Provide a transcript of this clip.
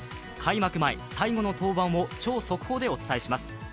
開幕前最後の登板を超速報でお伝えします。